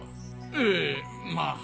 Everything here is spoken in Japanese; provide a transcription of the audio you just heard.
ええまぁ。